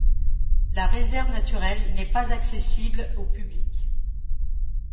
La réserve naturelle n'est pas accessible au public.